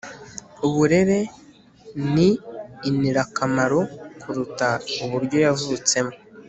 uburere ni inirakamaro kuruta uburyo yavutsemo.